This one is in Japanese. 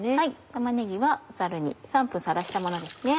玉ねぎはザルに３分さらしたものです。